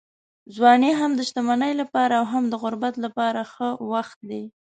ځواني هم د شتمنۍ لپاره او هم د غربت لپاره ښه وخت دی.